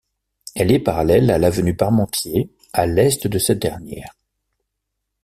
Elle est parallèle à l'avenue Parmentier, à l'est de cette dernière.